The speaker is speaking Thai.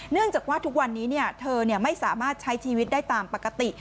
เนื่องจากว่าทุกวันนี้เธอไม่สามารถใช้ชีวิตได้ตามปกติ